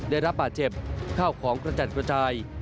ได้รับบาดเจ็บข้าวของกระจัดกระจาย